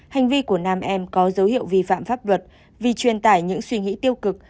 hành vi của nam em có dấu hiệu vi phạm pháp luật vì truyền tải những suy nghĩ tiêu cực